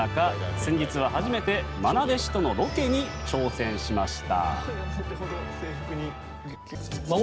先日は初めてまな弟子とのロケに挑戦しました。